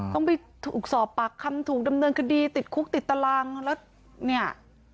ต้องไปถูกสอบปากคำถูกดำเนินคดีติดคุกติดตารางแล้วเนี่ย